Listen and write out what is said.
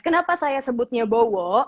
kenapa saya sebutnya bowo